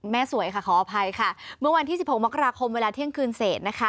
สวยค่ะขออภัยค่ะเมื่อวันที่๑๖มกราคมเวลาเที่ยงคืนเศษนะคะ